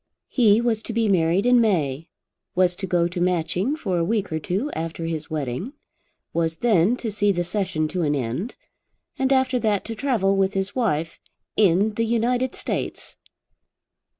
He was to be married in May, was to go to Matching for a week or two after his wedding, was then to see the Session to an end, and after that to travel with his wife in the United States.